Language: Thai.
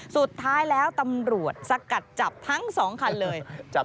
สุดท้ายแล้วตำรวจสกัดจับทั้ง๒คันเลย